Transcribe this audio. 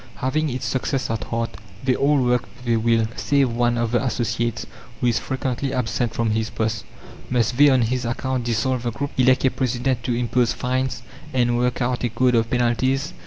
Having its success at heart, they all work with a will, save one of the associates, who is frequently absent from his post. Must they on his account dissolve the group, elect a president to impose fines, and work out a code of penalties?